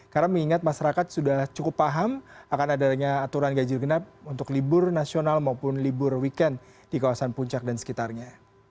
karena mengingat masyarakat sudah cukup paham akan adanya aturan ganjil genap untuk libur nasional maupun libur weekend di kawasan puncak dan sekitarnya